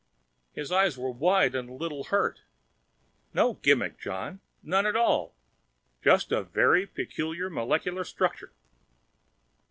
His eyes were wide and a little hurt. "No gimmick, John. None at all. Just a very peculiar molecular structure."